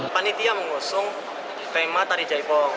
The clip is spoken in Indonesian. panitia mengusung tema tari jaipong